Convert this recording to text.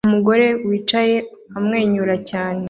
Umugore wicaye amwenyura cyane